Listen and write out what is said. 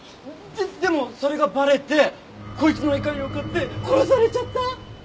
ででもそれがバレてこいつの怒りを買って殺されちゃった？